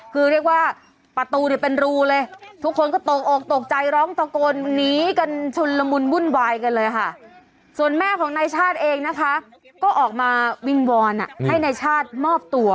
ก็ออกมาวิงวอนให้นายชาติมอบตัว